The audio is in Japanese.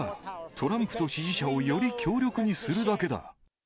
トランプと支持者をより強力にするだけだ。